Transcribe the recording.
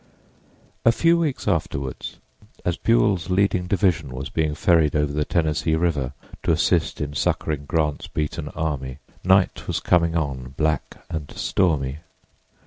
A few weeks afterward, as Buell's leading division was being ferried over the Tennessee River to assist in succoring Grant's beaten army, night was coming on, black and stormy.